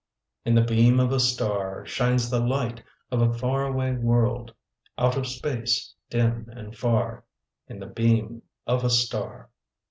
In the beam of a star Shines the light of a far away world, Out of space, dim and far, In the beam of a star.